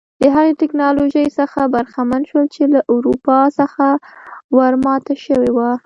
د هغې ټکنالوژۍ څخه برخمن شول چې له اروپا څخه ور ماته شوې وه.